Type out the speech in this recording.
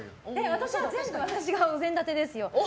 私は全部私がおぜん立てですよ。